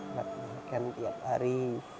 makan tiap hari